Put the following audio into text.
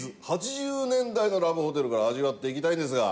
８０年代のラブホテルから味わっていきたいんですが。